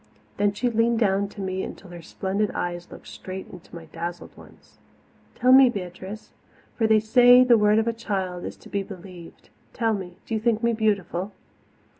Then she leaned down to me until her splendid eyes looked straight into my dazzled ones. "Tell me, little Beatrice for they say the word of a child is to be believed tell me, do you think me beautiful?"